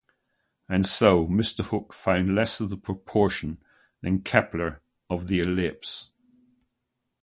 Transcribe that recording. And so, Mr Hooke found less of the proportion than Kepler of the ellipse.